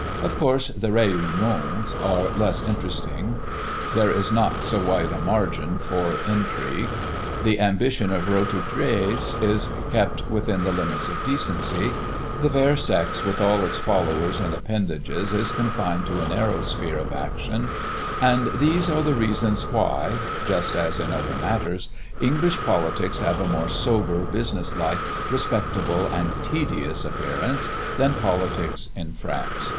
Of course the réunions are less interesting; there is not so wide a margin for intrigue; the ambition of roturiers is kept within the limits of decency; the fair sex, with all its followers and appendages, is confined to a narrow sphere of action; and these are the reasons why just as in other matters English politics have a more sober, business like, respectable, and tedious appearance than politics in France.